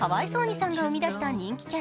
さんが生み出した人気キャラ